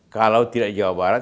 kalau tidak jawa barat